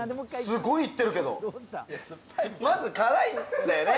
すごいいってるけどまず辛いんですね